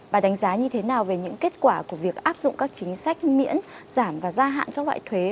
bà đánh giá như thế nào về những kết quả của việc áp dụng các chính sách miễn giảm và gia hạn các loại thuế